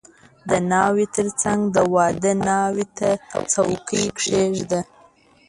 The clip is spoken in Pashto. • د ناوې تر څنګ د واده ناوې ته څوکۍ کښېږده.